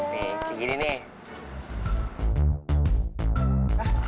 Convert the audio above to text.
nih kayak gini nih